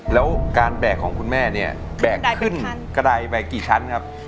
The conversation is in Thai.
แล้วการแบกของคุณแม่เนี่ยแบกขึ้นกระดายไปกี่ชั้นครับ